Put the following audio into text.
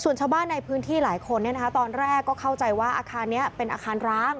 ส่วนชาวบ้านในพื้นที่หลายคนตอนแรกก็เข้าใจว่าอาคารนี้เป็นอาคารร้าง